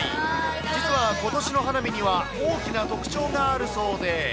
実はことしの花火には大きな特徴があるそうで。